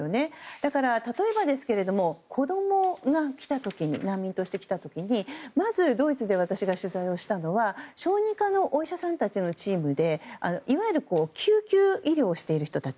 だから例えば子供が難民として来た時にまずドイツで私が取材をしたのは小児科のお医者さんたちのチームでいわゆる救急医療をしている人たち。